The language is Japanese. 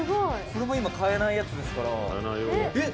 「これも今買えないやつですから」